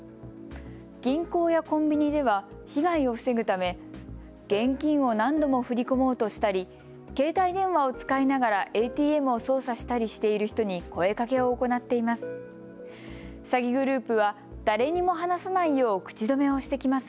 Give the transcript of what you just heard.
銀行やコンビニでは被害を防ぐため現金を何度も振り込もうとしたり携帯電話を使いながらＡＴＭを操作したりしている人に声かけを行っています。